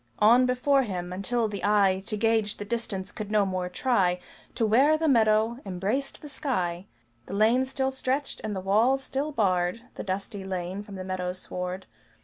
On before him, until the eye To gauge the distance could no more try, To where the meadow embraced the sky, The lane still stretched, and the walls still barred The dusty lane from the meadow sward.